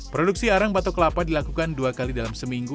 produksi arang batok kelapa dilakukan dua kali dalam seminggu